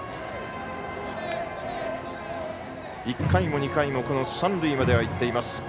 １回も２回も三塁までは行っています。